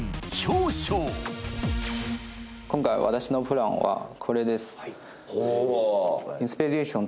今回私のプランはこれです。